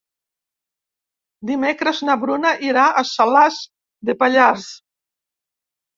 Dimecres na Bruna irà a Salàs de Pallars.